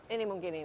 ini mungkin ini